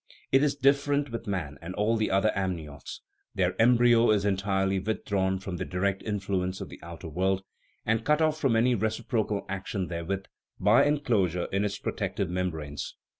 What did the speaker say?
It is different with man and all the other amniotes ; their embryo is entirely withdrawn from the direct in fluence of the outer world, and cut off from any recip rocal action therewith, by enclosure in its protective membranes.